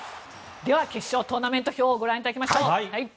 では決勝トーナメント表をご覧いただきましょう。